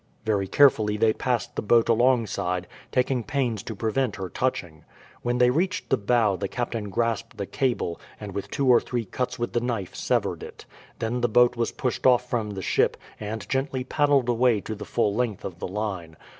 Very carefully they passed the boat alongside, taking pains to prevent her touching. When they reached the bow the captain grasped the cable, and with two or three cuts with the knife severed it. Then the boat was pushed off from the ship and gently paddled away to the full length of the line.